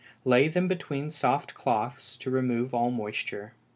Lay them between soft cloths to remove all moisture.